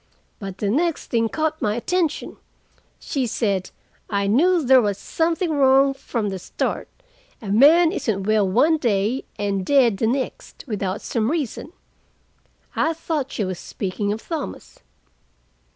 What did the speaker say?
"But the next thing caught my attention. She said, 'I knew there was something wrong from the start. A man isn't well one day, and dead the next, without some reason.' I thought she was speaking of Thomas."